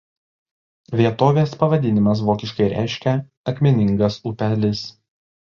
Vietovės pavadinimas vokiškai reiškia „akmeningas upelis“.